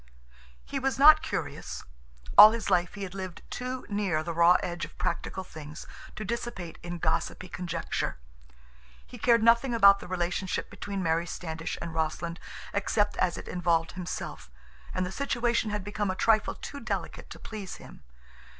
He was not curious. All his life he had lived too near the raw edge of practical things to dissipate in gossipy conjecture. He cared nothing about the relationship between Mary Standish and Rossland except as it involved himself, and the situation had become a trifle too delicate to please him.